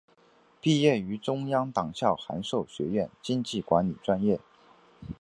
毕业于中央党校函授学院经济管理专业。